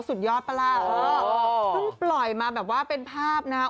สุดยอดปลาร่าเพิ่งปล่อยมาแบบว่าเป็นภาพนะฮะ